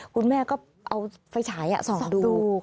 คุณแม่ก็เอาไฟฉายส่องดู